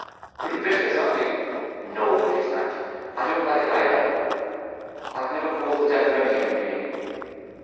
"Pretty vicious, aren't you?" "No!" she snapped. "I don't like it either; I've never caused the death of any human being."